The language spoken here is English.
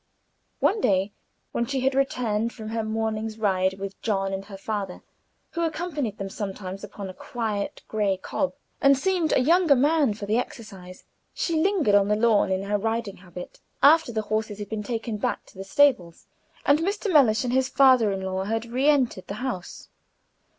One day, when she had returned from her morning's ride with John and her father, who accompanied them sometimes upon a quiet gray cob, and seemed a younger man for the exercise, she lingered on the lawn in her riding habit after the horses had been taken back to the stables, and Mr. Mellish and his father in law had re entered the house.